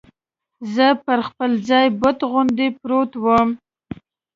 زه پر خپل ځای بت غوندې پروت ووم.